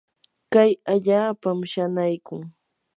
kan allaapam shanaykun.